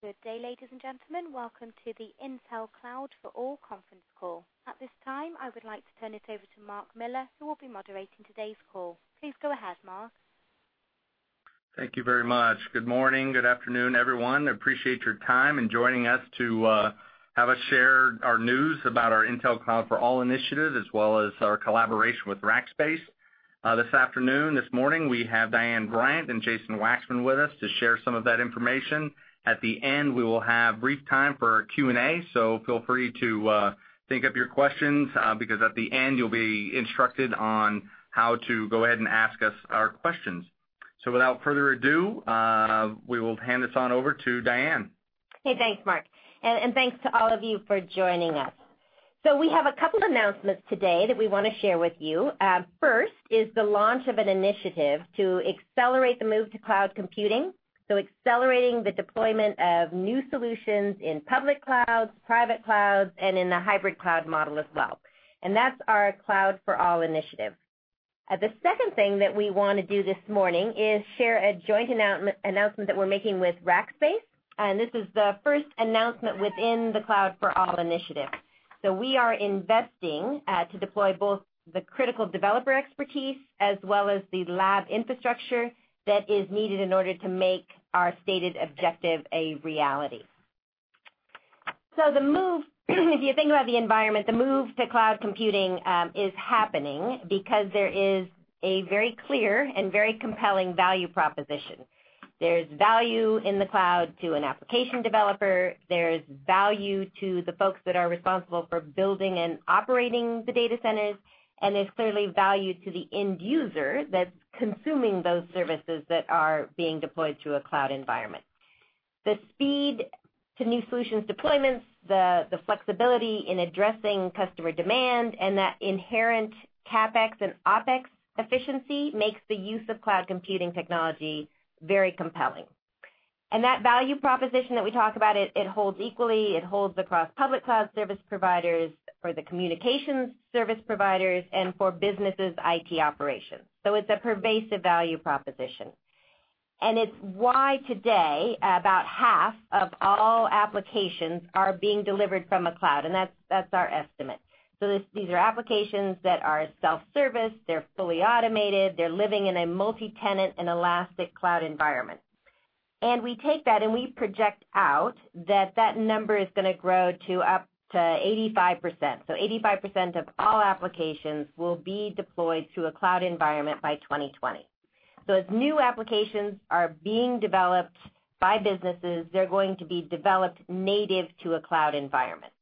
Good day, ladies and gentlemen. Welcome to the Intel Cloud for All conference call. At this time, I would like to turn it over to Mark Miller, who will be moderating today's call. Please go ahead, Mark. Thank you very much. Good morning. Good afternoon, everyone. Appreciate your time and joining us to have us share our news about our Intel Cloud for All initiative, as well as our collaboration with Rackspace. This afternoon, this morning, we have Diane Bryant and Jason Waxman with us to share some of that information. At the end, we will have brief time for Q&A, so feel free to think of your questions, because at the end you'll be instructed on how to go ahead and ask us our questions. Without further ado, we will hand this on over to Diane. Okay, thanks, Mark, and thanks to all of you for joining us. We have a couple announcements today that we want to share with you. First is the launch of an initiative to accelerate the move to cloud computing, so accelerating the deployment of new solutions in public clouds, private clouds, and in the hybrid cloud model as well. That's our Cloud for All initiative. The second thing that we want to do this morning is share a joint announcement that we're making with Rackspace, and this is the first announcement within the Cloud for All initiative. We are investing to deploy both the critical developer expertise as well as the lab infrastructure that is needed in order to make our stated objective a reality. If you think about the environment, the move to cloud computing is happening because there is a very clear and very compelling value proposition. There's value in the cloud to an application developer. There's value to the folks that are responsible for building and operating the data centers, and there's clearly value to the end user that's consuming those services that are being deployed to a cloud environment. The speed to new solutions deployments, the flexibility in addressing customer demand, and that inherent CapEx and OpEx efficiency makes the use of cloud computing technology very compelling. That value proposition that we talk about, it holds equally, it holds across public cloud service providers, for the communications service providers, and for businesses' IT operations. It's a pervasive value proposition. It's why today, about half of all applications are being delivered from a cloud, and that's our estimate. These are applications that are self-service. They're fully automated. They're living in a multi-tenant and elastic cloud environment. We take that, and we project out that that number is going to grow to up to 85%. 85% of all applications will be deployed to a cloud environment by 2020. As new applications are being developed by businesses, they're going to be developed native to a cloud environment.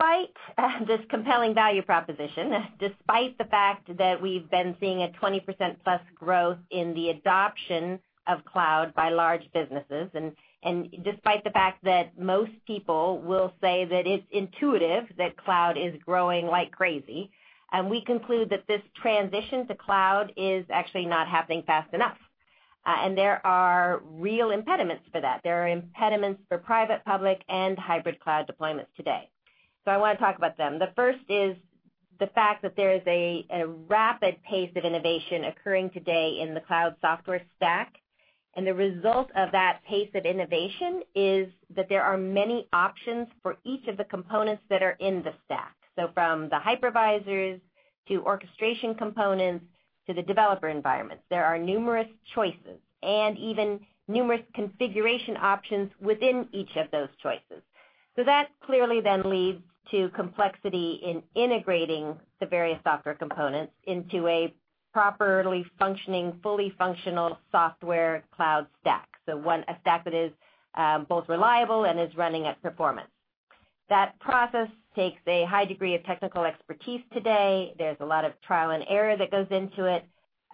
Despite this compelling value proposition, despite the fact that we've been seeing a 20%-plus growth in the adoption of cloud by large businesses, and despite the fact that most people will say that it's intuitive that cloud is growing like crazy, we conclude that this transition to cloud is actually not happening fast enough. There are real impediments for that. There are impediments for private, public, and hybrid cloud deployments today. I want to talk about them. The first is the fact that there is a rapid pace of innovation occurring today in the cloud software stack. The result of that pace of innovation is that there are many options for each of the components that are in the stack. From the hypervisors to orchestration components to the developer environments, there are numerous choices and even numerous configuration options within each of those choices. That clearly then leads to complexity in integrating the various software components into a properly functioning, fully functional software cloud stack, a stack that is both reliable and is running at performance. That process takes a high degree of technical expertise today. There's a lot of trial and error that goes into it.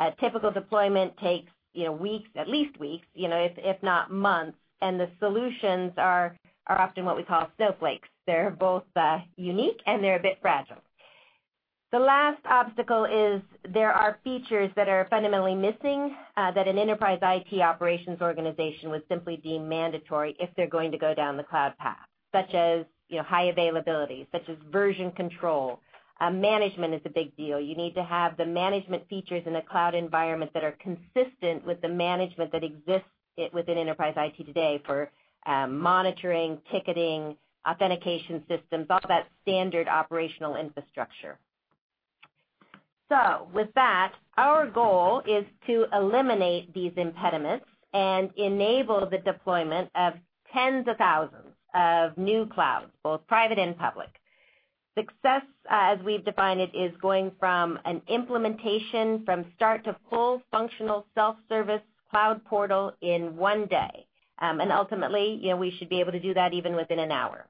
A typical deployment takes weeks, at least weeks, if not months, and the solutions are often what we call snowflakes. They're both unique, and they're a bit fragile. The last obstacle is there are features that are fundamentally missing that an enterprise IT operations organization would simply deem mandatory if they're going to go down the cloud path, such as high availability, such as version control. Management is a big deal. You need to have the management features in the cloud environment that are consistent with the management that exists within enterprise IT today for monitoring, ticketing, authentication systems, all that standard operational infrastructure. With that, our goal is to eliminate these impediments and enable the deployment of tens of thousands of new clouds, both private and public. Success, as we've defined it, is going from an implementation from start to full functional self-service cloud portal in one day. Ultimately, we should be able to do that even within an hour.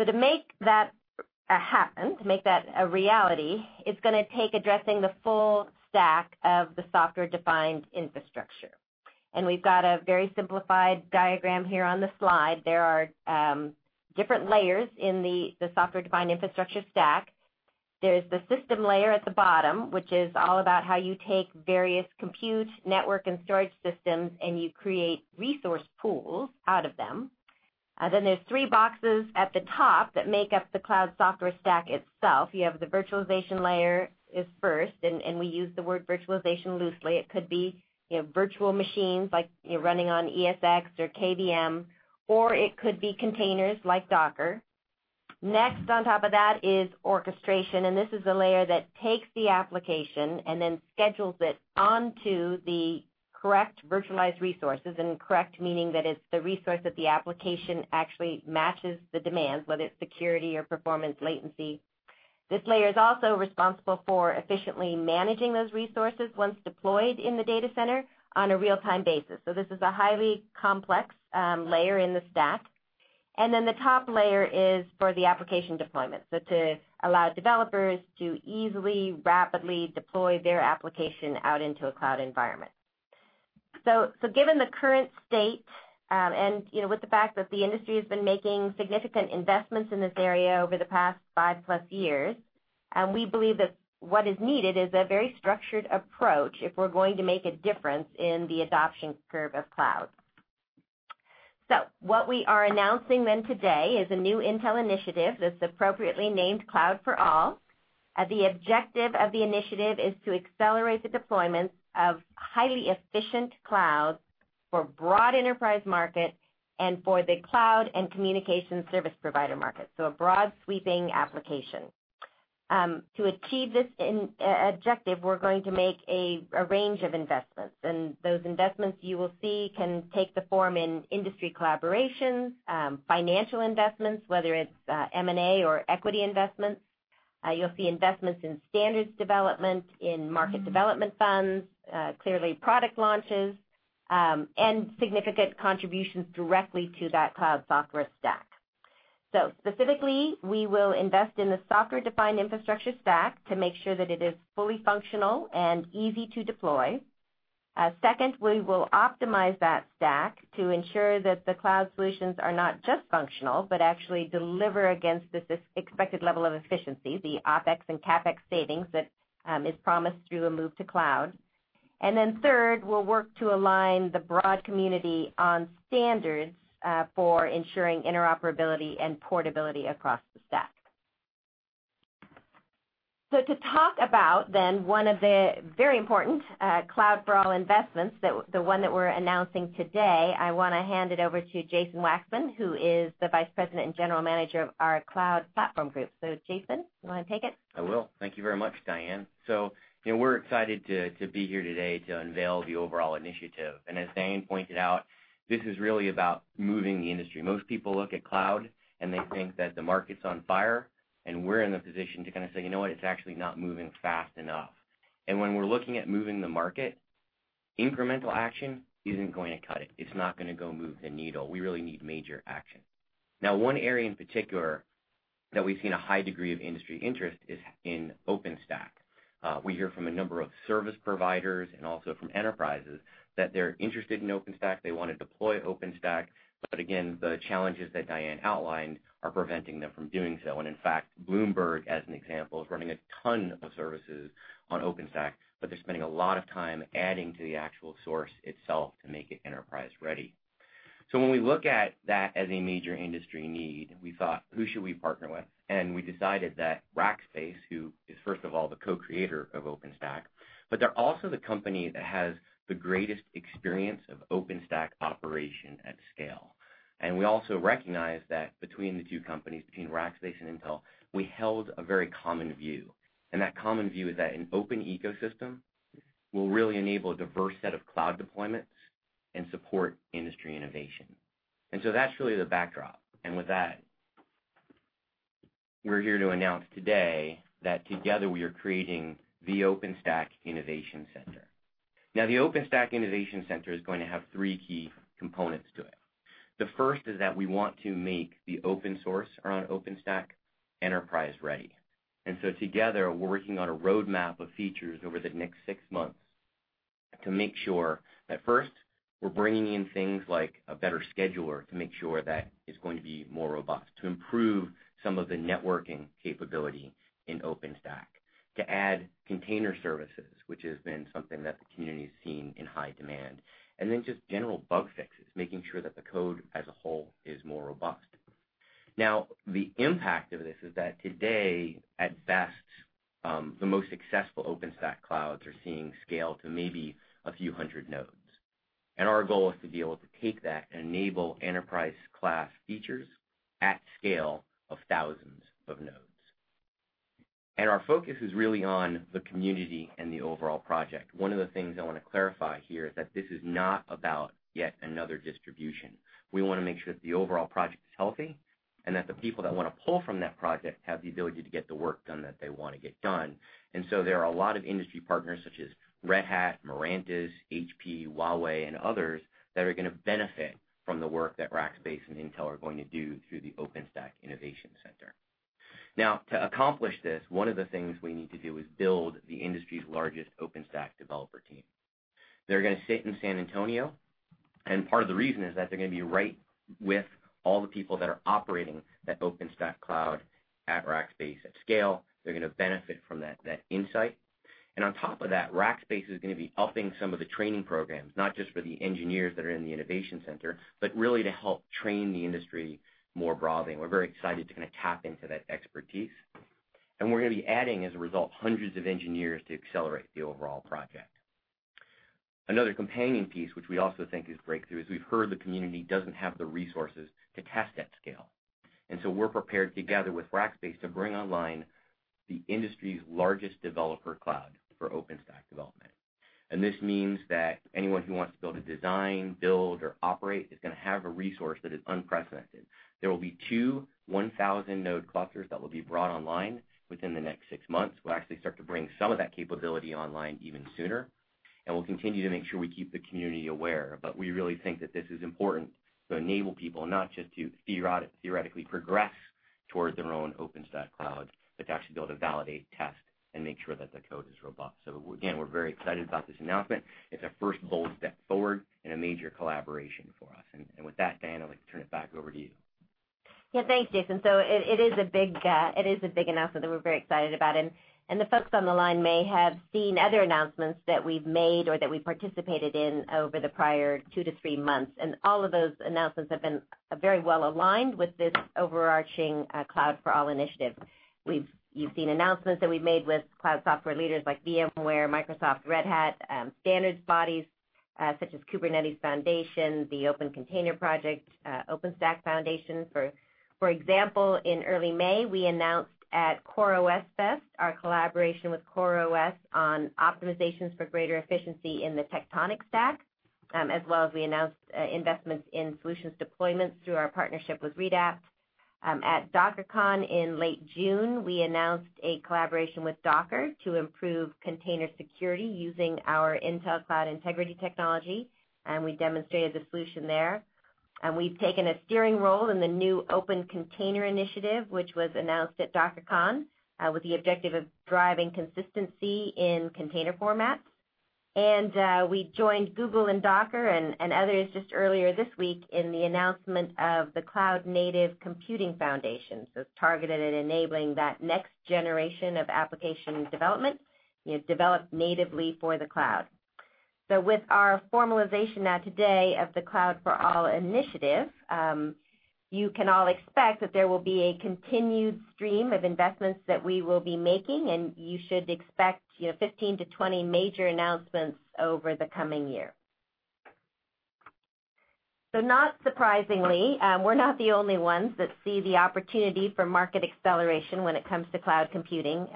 To make that happen, to make that a reality, it's going to take addressing the full stack of the software-defined infrastructure. We've got a very simplified diagram here on the slide. There are different layers in the software-defined infrastructure stack. There's the system layer at the bottom, which is all about how you take various compute, network, and storage systems and you create resource pools out of them. There's three boxes at the top that make up the cloud software stack itself. You have the virtualization layer is first, and we use the word virtualization loosely. It could be virtual machines, like running on ESX or KVM, or it could be containers like Docker. On top of that is orchestration. This is the layer that takes the application and schedules it onto the correct virtualized resources, correct meaning that it's the resource that the application actually matches the demands, whether it's security or performance latency. This layer is also responsible for efficiently managing those resources once deployed in the data center on a real-time basis. This is a highly complex layer in the stack. The top layer is for the application deployment, to allow developers to easily, rapidly deploy their application out into a cloud environment. Given the current state, with the fact that the industry has been making significant investments in this area over the past 5+ years, we believe that what is needed is a very structured approach if we're going to make a difference in the adoption curve of cloud. What we are announcing then today is a new Intel initiative, that's appropriately named Cloud for All. The objective of the initiative is to accelerate the deployment of highly efficient clouds for broad enterprise market and for the cloud and communication service provider market. A broad, sweeping application. To achieve this objective, we're going to make a range of investments. Those investments you will see can take the form in industry collaborations, financial investments, whether it's M&A or equity investments. You'll see investments in standards development, in market development funds, clearly product launches, and significant contributions directly to that cloud software stack. Specifically, we will invest in the software-defined infrastructure stack to make sure that it is fully functional and easy to deploy. Second, we will optimize that stack to ensure that the cloud solutions are not just functional, but actually deliver against the expected level of efficiency, the OpEx and CapEx savings that is promised through a move to cloud. Then third, we'll work to align the broad community on standards for ensuring interoperability and portability across the stack. To talk about then one of the very important Cloud for All investments, the one that we're announcing today, I want to hand it over to Jason Waxman, who is the vice president and general manager of our Cloud Platforms Group. Jason, you want to take it? I will. Thank you very much, Diane. We're excited to be here today to unveil the overall initiative. As Diane pointed out, this is really about moving the industry. Most people look at cloud, they think that the market's on fire, we're in the position to kind of say, "You know what? It's actually not moving fast enough." When we're looking at moving the market, incremental action isn't going to cut it. It's not going to go move the needle. We really need major action. One area in particular that we've seen a high degree of industry interest is in OpenStack. We hear from a number of service providers and also from enterprises that they're interested in OpenStack, they want to deploy OpenStack, again, the challenges that Diane outlined are preventing them from doing so. In fact, Bloomberg, as an example, is running a ton of services on OpenStack, but they're spending a lot of time adding to the actual source itself to make it enterprise-ready. When we look at that as a major industry need, we thought, "Who should we partner with?" We decided that Rackspace, who is first of all the co-creator of OpenStack, but they're also the company that has the greatest experience of OpenStack operation at scale. We also recognize that between the two companies, between Rackspace and Intel, we held a very common view. That common view is that an open ecosystem will really enable a diverse set of cloud deployments and support industry innovation. That's really the backdrop. With that, we're here to announce today that together we are creating the OpenStack Innovation Center. Now, the OpenStack Innovation Center is going to have three key components to it. The first is that we want to make the open source around OpenStack enterprise-ready. Together, we're working on a roadmap of features over the next six months to make sure that first we're bringing in things like a better scheduler to make sure that it's going to be more robust, to improve some of the networking capability in OpenStack. To add container services, which has been something that the community's seen in high demand. Just general bug fixes, making sure that the code as a whole is more robust. Now, the impact of this is that today, at best, the most successful OpenStack clouds are seeing scale to maybe a few 100 nodes. Our goal is to be able to take that and enable enterprise class features at scale of thousands of nodes. Our focus is really on the community and the overall project. One of the things I want to clarify here is that this is not about yet another distribution. We want to make sure that the overall project is healthy and that the people that want to pull from that project have the ability to get the work done that they want to get done. There are a lot of industry partners such as Red Hat, Mirantis, HP, Huawei, and others that are going to benefit from the work that Rackspace and Intel are going to do through the OpenStack Innovation Center. Now, to accomplish this, one of the things we need to do is build the industry's largest OpenStack developer team. They're going to sit in San Antonio, and part of the reason is that they're going to be right with all the people that are operating that OpenStack cloud at Rackspace at scale. They're going to benefit from that insight. On top of that, Rackspace is going to be upping some of the training programs, not just for the engineers that are in the innovation center, but really to help train the industry more broadly. We're very excited to kind of tap into that expertise. We're going to be adding, as a result, hundreds of engineers to accelerate the overall project. Another companion piece, which we also think is breakthrough, is we've heard the community doesn't have the resources to test at scale. We're prepared, together with Rackspace, to bring online the industry's largest developer cloud for OpenStack development. This means that anyone who wants to be able to design, build, or operate is going to have a resource that is unprecedented. There will be two 1,000-node clusters that will be brought online within the next six months. We'll actually start to bring some of that capability online even sooner, and we'll continue to make sure we keep the community aware. We really think that this is important to enable people not just to theoretically progress towards their own OpenStack cloud, but to actually build and validate, test, and make sure that the code is robust. Again, we're very excited about this announcement. It's a first bold step forward and a major collaboration for us. With that, Diane, I'd like to turn it back over to you. Yeah. Thanks, Jason. It is a big announcement that we're very excited about, and the folks on the line may have seen other announcements that we've made or that we participated in over the prior two to three months. All of those announcements have been very well aligned with this overarching, Cloud for All initiative. You've seen announcements that we've made with cloud software leaders like VMware, Microsoft, Red Hat, standards bodies such as Kubernetes Foundation, the Open Container Initiative, OpenStack Foundation. For example, in early May, we announced at CoreOS Fest our collaboration with CoreOS on optimizations for greater efficiency in the Tectonic stack, as well as we announced investments in solutions deployments through our partnership with Redapt. At DockerCon in late June, we announced a collaboration with Docker to improve container security using our Intel Cloud Integrity Technology, and we demonstrated the solution there. We've taken a steering role in the new Open Container Initiative, which was announced at DockerCon, with the objective of driving consistency in container formats. We joined Google and Docker and others just earlier this week in the announcement of the Cloud Native Computing Foundation. It's targeted at enabling that next generation of application development developed natively for the cloud. With our formalization now today of the Cloud for All initiative, you can all expect that there will be a continued stream of investments that we will be making, and you should expect 15 to 20 major announcements over the coming year. Not surprisingly, we're not the only ones that see the opportunity for market acceleration when it comes to cloud computing.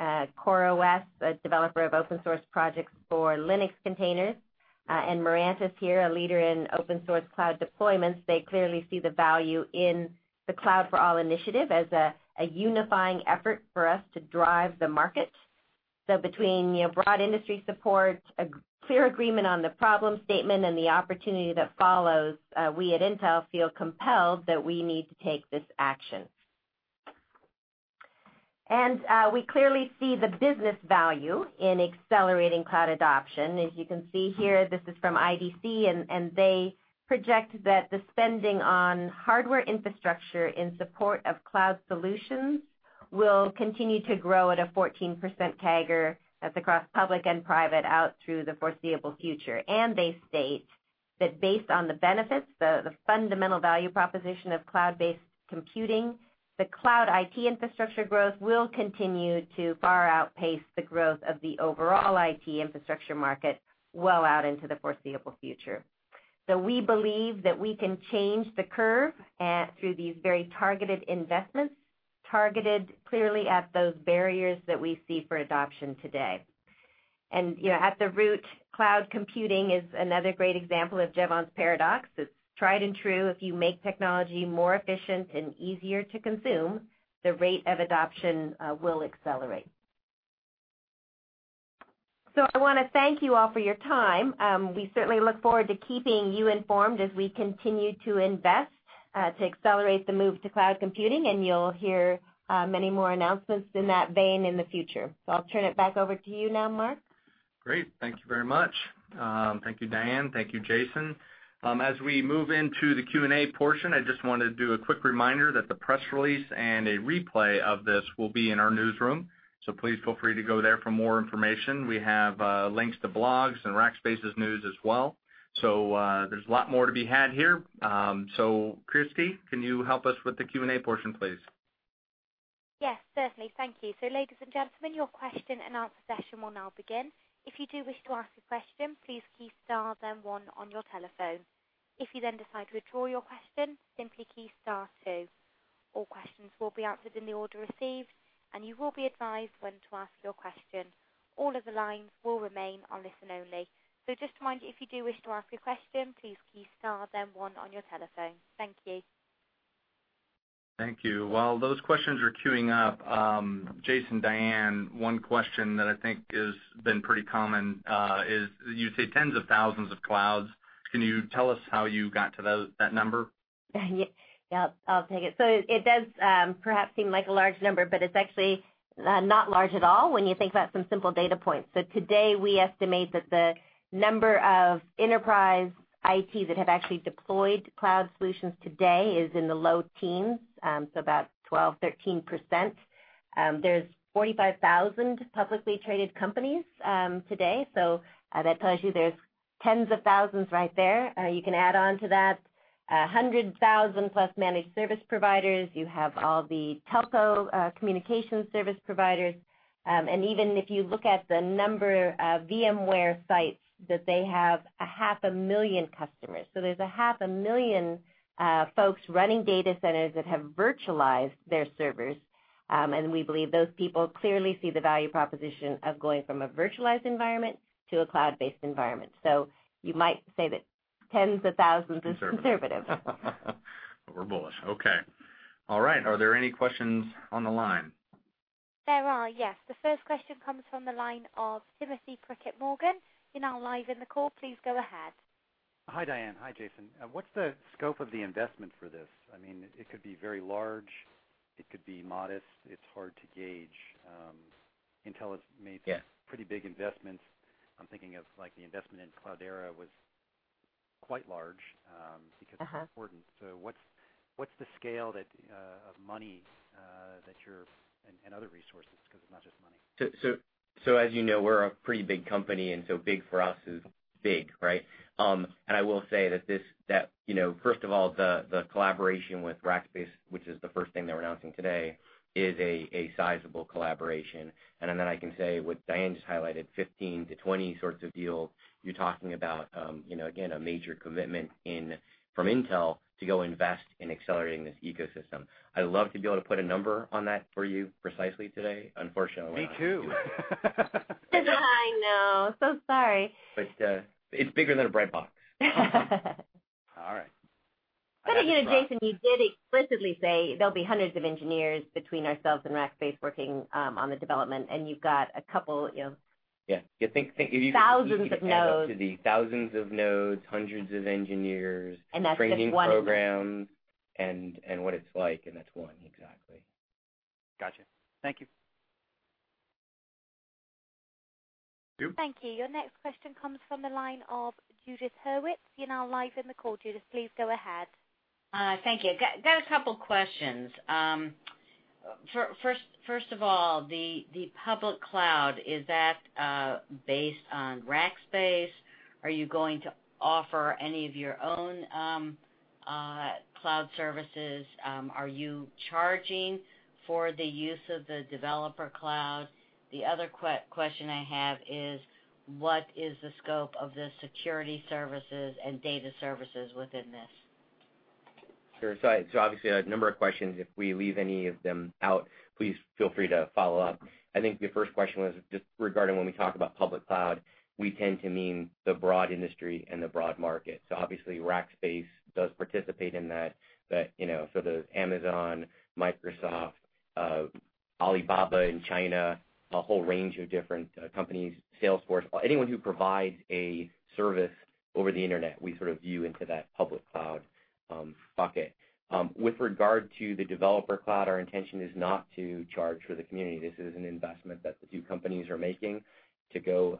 CoreOS, a developer of open source projects for Linux containers, and Mirantis here, a leader in open source cloud deployments, they clearly see the value in the Cloud for All initiative as a unifying effort for us to drive the market. Between broad industry support, a clear agreement on the problem statement, and the opportunity that follows, we at Intel feel compelled that we need to take this action. We clearly see the business value in accelerating cloud adoption. As you can see here, this is from IDC, and they project that the spending on hardware infrastructure in support of cloud solutions will continue to grow at a 14% CAGR, that's across public and private, out through the foreseeable future. They state that based on the benefits, the fundamental value proposition of cloud-based computing, the cloud IT infrastructure growth will continue to far outpace the growth of the overall IT infrastructure market well out into the foreseeable future. We believe that we can change the curve through these very targeted investments, targeted clearly at those barriers that we see for adoption today. At the root, cloud computing is another great example of Jevons paradox. It's tried and true. If you make technology more efficient and easier to consume, the rate of adoption will accelerate. I want to thank you all for your time. We certainly look forward to keeping you informed as we continue to invest to accelerate the move to cloud computing, and you'll hear many more announcements in that vein in the future. I'll turn it back over to you now, Mark. Great. Thank you very much. Thank you, Diane. Thank you, Jason. As we move into the Q&A portion, I just want to do a quick reminder that the press release and a replay of this will be in our newsroom, please feel free to go there for more information. We have links to blogs and Rackspace's news as well. There's a lot more to be had here. Christy, can you help us with the Q&A portion, please? Yes, certainly. Thank you. Ladies and gentlemen, your question and answer session will now begin. If you do wish to ask a question, please key star, then 1 on your telephone. If you then decide to withdraw your question, simply key star 2. All questions will be answered in the order received, and you will be advised when to ask your question. All of the lines will remain on listen only. Just to remind you, if you do wish to ask a question, please key star, then 1 on your telephone. Thank you. Thank you. While those questions are queuing up, Jason, Diane, one question that I think has been pretty common is you say tens of thousands of clouds. Can you tell us how you got to that number? Yeah. I'll take it. It does perhaps seem like a large number, but it's actually not large at all when you think about some simple data points. Today, we estimate that the number of enterprise IT that have actually deployed cloud solutions today is in the low teens, so about 12%-13%. There's 45,000 publicly traded companies today, that tells you there's tens of thousands right there. You can add on to that 100,000 plus managed service providers. You have all the telco communication service providers. Even if you look at the number of VMware sites, they have a half a million customers. There's a half a million folks running data centers that have virtualized their servers. We believe those people clearly see the value proposition of going from a virtualized environment to a cloud-based environment. You might say that tens of thousands is conservative. We're bullish. Okay. All right. Are there any questions on the line? There are, yes. The first question comes from the line of Timothy Prickett Morgan. You're now live in the call. Please go ahead. Hi, Diane. Hi, Jason. What's the scope of the investment for this? It could be very large. It could be modest. It's hard to gauge. Intel has made- Yes pretty big investments. I'm thinking of, like, the investment in Cloudera was quite large, because it's important. What's the scale of money and other resources, because it's not just money? As you know, we're a pretty big company, and so big for us is big, right? I will say that, first of all, the collaboration with Rackspace, which is the first thing that we're announcing today, is a sizable collaboration. I can say what Diane just highlighted, 15-20 sorts of deals. You're talking about, again, a major commitment from Intel to go invest in accelerating this ecosystem. I'd love to be able to put a number on that for you precisely today. Unfortunately, I- Me too. I know. Sorry. It's bigger than a breadbox. All right. Again, Jason, you did explicitly say there'll be hundreds of engineers between ourselves and Rackspace working on the development. Yeah thousands of nodes. You can add up to the thousands of nodes, hundreds of engineers. That's just one. training programs and what it's like, and that's one. Exactly. Got you. Thank you. Thank you. Thank you. Your next question comes from the line of Judith Hurwitz. You are now live in the call, Judith. Please go ahead. Thank you. Got a couple of questions. First of all, the public cloud, is that based on Rackspace? Are you going to offer any of your own cloud services? Are you charging for the use of the developer cloud? The other question I have is what is the scope of the security services and data services within this? Sure. Obviously, a number of questions. If we leave any of them out, please feel free to follow up. I think the first question was just regarding when we talk about public cloud, we tend to mean the broad industry and the broad market. Obviously, Rackspace does participate in that. The Amazon, Microsoft, Alibaba in China, a whole range of different companies, Salesforce, anyone who provides a service over the Internet, we sort of view into that public cloud bucket. With regard to the developer cloud, our intention is not to charge for the community. This is an investment that the two companies are making to go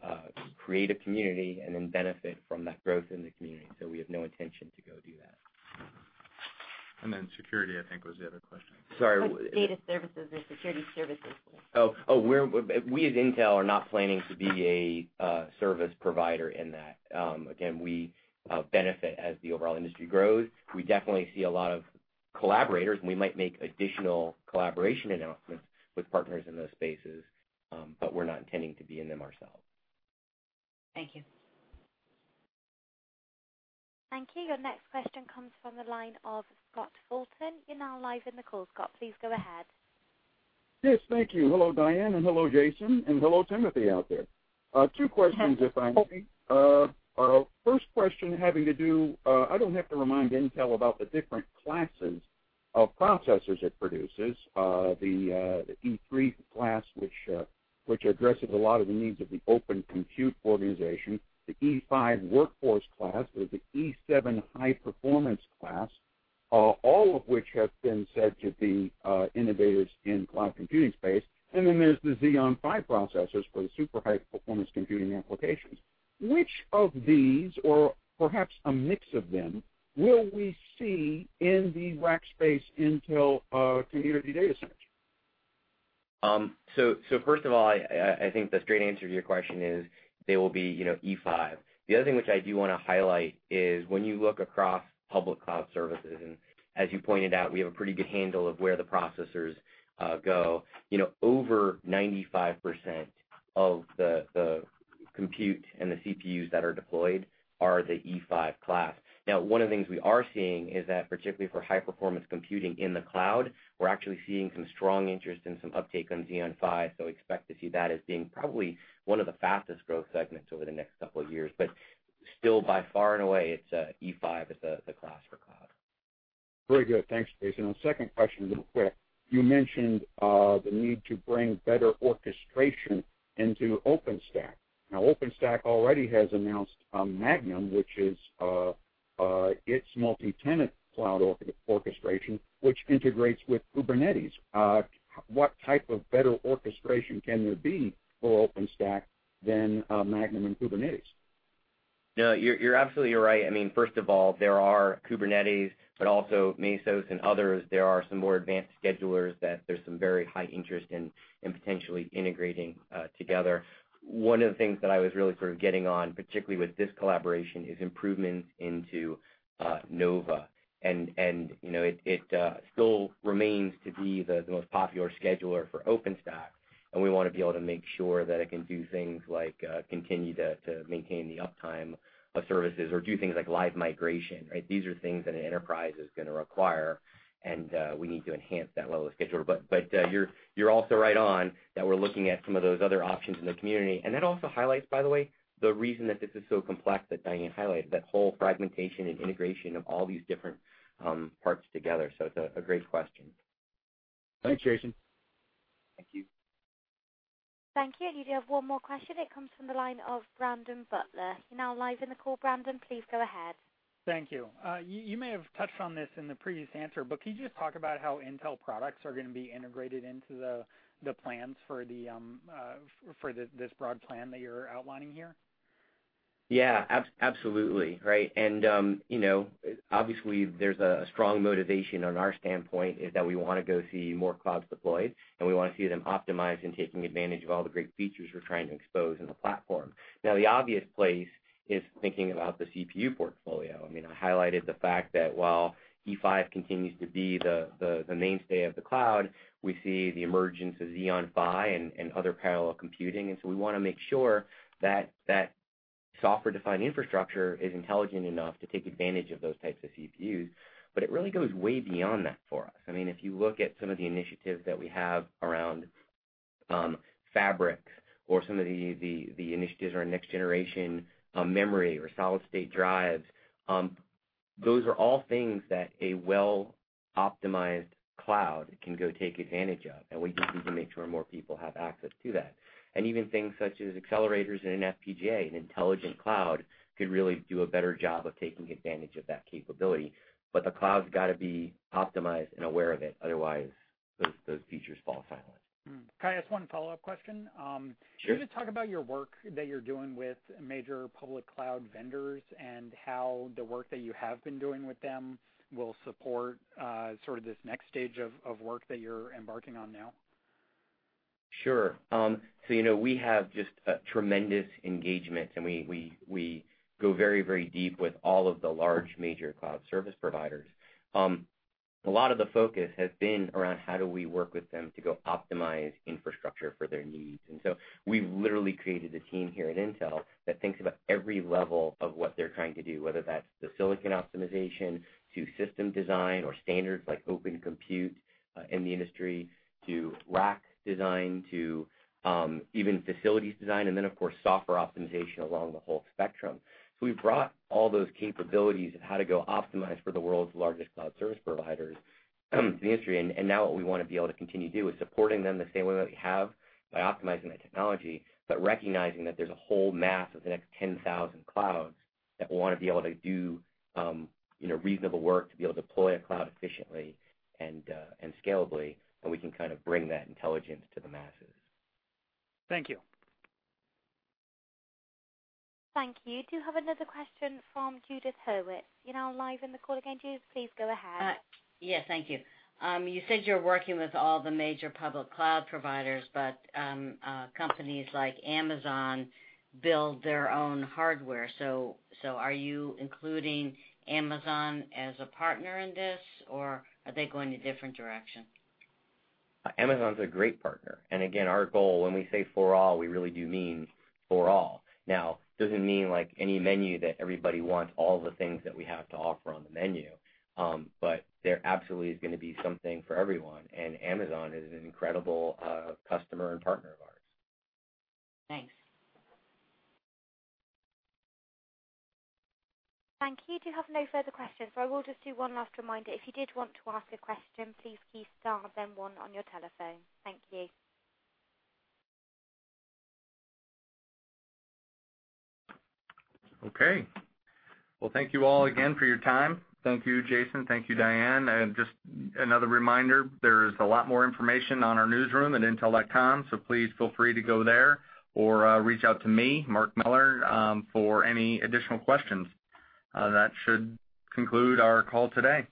create a community and then benefit from that growth in the community. We have no intention to go do that. Security, I think, was the other question. Sorry. What data services or security services? Oh, we as Intel are not planning to be a service provider in that. Again, we benefit as the overall industry grows. We definitely see a lot of collaborators, and we might make additional collaboration announcements with partners in those spaces, but we're not intending to be in them ourselves. Thank you. Thank you. Your next question comes from the line of Scott Fulton. You're now live in the call, Scott. Please go ahead. Yes. Thank you. Hello, Diane, hello, Jason, hello, Timothy, out there. Two questions, if I may. First question having to do-- I don't have to remind Intel about the different classes of processors it produces. The E3 class, which addresses a lot of the needs of the Open Compute Project, the E5 workhorse class. There's the E7 high-performance class, all of which have been said to be innovators in cloud computing space. Then there's the Xeon Phi processors for the super high-performance computing applications. Which of these, or perhaps a mix of them, will we see in the Rackspace Intel community data center? First of all, I think the straight answer to your question is they will be E5. The other thing which I do want to highlight is when you look across public cloud services, as you pointed out, we have a pretty good handle of where the processors go. Over 95% of the compute and the CPUs that are deployed are the E5 class. One of the things we are seeing is that particularly for high-performance computing in the cloud, we're actually seeing some strong interest and some uptake on Xeon Phi, so expect to see that as being probably one of the fastest growth segments over the next couple of years. Still, by far and away, E5 is the class for cloud. Very good. Thanks, Jason. The second question, real quick. You mentioned the need to bring better orchestration into OpenStack. Now, OpenStack already has announced Magnum, which is its multi-tenant cloud orchestration, which integrates with Kubernetes. What type of better orchestration can there be for OpenStack than Magnum and Kubernetes? No, you're absolutely right. First of all, there are Kubernetes, but also Mesos and others. There are some more advanced schedulers that there's some very high interest in potentially integrating together. One of the things that I was really sort of getting on, particularly with this collaboration, is improvements into Nova. It still remains to be the most popular scheduler for OpenStack, and we want to be able to make sure that it can do things like continue to maintain the uptime of services or do things like live migration. These are things that an enterprise is going to require, and we need to enhance that level of scheduler. You're also right on that we're looking at some of those other options in the community. That also highlights, by the way, the reason that this is so complex, that Diane highlighted, that whole fragmentation and integration of all these different parts together. It's a great question. Thanks, Jason. Thank you. Thank you. You do have one more question. It comes from the line of Brandon Butler. You're now live in the call, Brandon. Please go ahead. Thank you. You may have touched on this in the previous answer, can you just talk about how Intel products are going to be integrated into the plans for this broad plan that you're outlining here? Yeah. Absolutely. Obviously, there's a strong motivation on our standpoint is that we want to go see more clouds deployed, we want to see them optimized and taking advantage of all the great features we're trying to expose in the platform. The obvious place is thinking about the CPU portfolio. I highlighted the fact that while E5 continues to be the mainstay of the cloud, we see the emergence of Xeon Phi and other parallel computing. We want to make sure that that software-defined infrastructure is intelligent enough to take advantage of those types of CPUs. It really goes way beyond that for us. If you look at some of the initiatives that we have around fabrics or some of the initiatives around next-generation memory or solid-state drives, those are all things that a well-optimized cloud can go take advantage of, and we just need to make sure more people have access to that. Even things such as accelerators in an FPGA, an intelligent cloud could really do a better job of taking advantage of that capability. The cloud's got to be optimized and aware of it, otherwise those features fall silent. Can I ask one follow-up question? Sure. Can you just talk about your work that you're doing with major public cloud vendors and how the work that you have been doing with them will support sort of this next stage of work that you're embarking on now? Sure. We have just a tremendous engagement, and we go very, very deep with all of the large major cloud service providers. A lot of the focus has been around how do we work with them to go optimize infrastructure for their needs. We've literally created a team here at Intel that thinks about every level of what they're trying to do, whether that's the silicon optimization to system design or standards like Open Compute in the industry to rack design, to even facilities design, and then, of course, software optimization along the whole spectrum. We've brought all those capabilities of how to go optimize for the world's largest cloud service providers in the industry. What we want to be able to continue to do is supporting them the same way that we have by optimizing that technology, but recognizing that there's a whole mass of the next 10,000 clouds that want to be able to do reasonable work to be able to deploy a cloud efficiently and scalably, and we can kind of bring that intelligence to the masses. Thank you. Thank you. We do have another question from Judith Hurwitz. You're now live in the call again, Judith. Please go ahead. Yes. Thank you. You said you're working with all the major public cloud providers, companies like Amazon build their own hardware. Are you including Amazon as a partner in this, or are they going a different direction? Amazon's a great partner. Again, our goal when we say for all, we really do mean for all. It doesn't mean any menu that everybody wants all the things that we have to offer on the menu, there absolutely is going to be something for everyone, and Amazon is an incredible customer and partner of ours. Thanks. Thank you. We have no further questions. I will just do one last reminder. If you did want to ask a question, please key star then one on your telephone. Thank you. Thank you all again for your time. Thank you, Jason. Thank you, Diane. Just another reminder, there's a lot more information on our newsroom at intel.com, please feel free to go there or reach out to me, Mark Miller, for any additional questions. That should conclude our call today.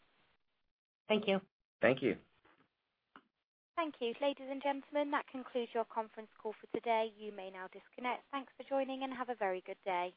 Thank you. Thank you. Thank you. Ladies and gentlemen, that concludes your conference call for today. You may now disconnect. Thanks for joining, and have a very good day.